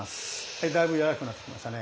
だいぶ柔らかくなってきましたね。